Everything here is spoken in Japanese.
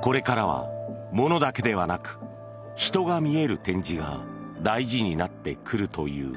これからは物だけではなく人が見える展示が大事になってくるという。